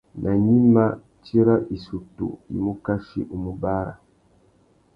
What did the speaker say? Nà gnïma, tsi râ issutu i mù kachi u mù bàrrâ.